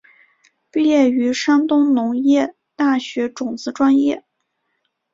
毕业于山东农业大学种子专业。